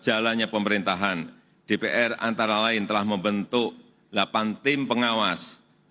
jalannya pemerintahan dpr antara lain telah membentuk delapan tim pengawas